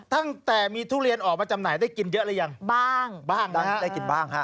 ตั้งแต่มีทุเรียนออกมาจำไหนได้กินเยอะเลยยังบ้างบ้างแล้วได้กินบ้างค่ะ